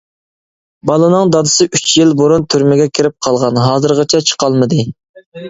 بالىنىڭ دادىسى ئۈچ يىل بۇرۇن تۈرمىگە كىرىپ قالغان، ھازىرغىچە چىقالمىدى.